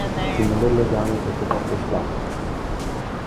Simulările de anul trecut au fost slabe.